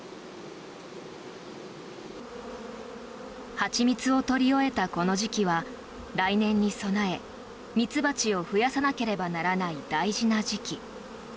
蜂蜜を採り終えたこの時期は来年に備えミツバチを増やさなければならない大事な時期。